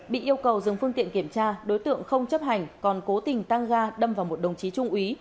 bị yêu cầu dừng phương tiện kiểm tra đối tượng không chấp hành còn cố tình tăng ga đâm vào một đồng chí trung úy